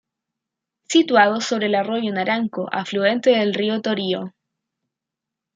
Situado sobre el Arroyo Naranco, afluente del Río Torío.